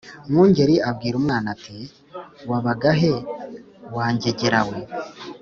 Mwungeli abwira umwana ati: "Wabaga he wa ngegera we!?"